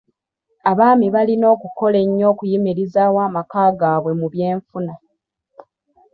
Abaami balina okukola ennyo okuyimirizaawo amaka gaabwe mu by'enfuna.